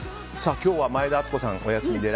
今日は前田敦子さんがお休みで